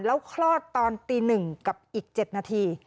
แล้วคลอดตอนตี๑กับอีก๗นาที